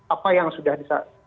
apa yang sudah bisa